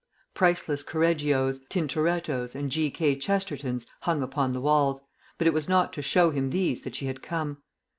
Priceless Correggios, Tintorettos, and G. K. Chestertons hung upon the walls, but it was not to show him these that she had come.